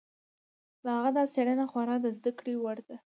د هغه دا څېړنه خورا د زده کړې وړ ده.